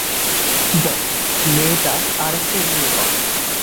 Bob, মেয়েটা আর একটা ইউনিকর্ন।